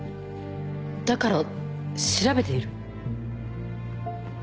だから調べている？